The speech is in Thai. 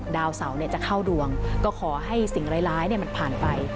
ดาวเสาจะเข้าดวงก็ขอให้สิ่งร้ายมันผ่านไป